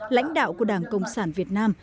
lãnh đạo của đảng cộng sản việt nam